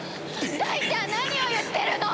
大ちゃん何を言ってるの！